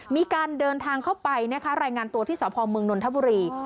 มีการเดินทางเข้าไปรายงานตัวที่สระพอมเมืองนนทบุรี